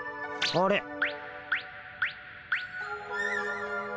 あれ？